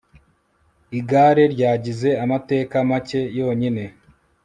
igare ryagize amateka make yonyine